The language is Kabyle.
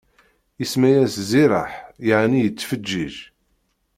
Isemma-yas Ziraḥ, yeɛni yettfeǧǧiǧ.